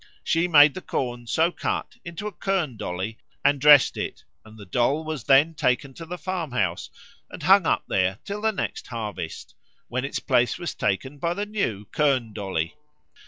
She made the corn so cut into a kirn dolly and dressed it, and the doll was then taken to the farmhouse and hung up there till the next harvest, when its place was taken by the new kirn dolly.